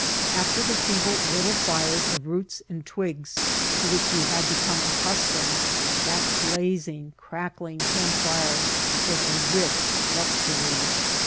After the feeble little fires of roots and twigs to which we had been accustomed, that blazing, crackling camp fire was a rich luxury.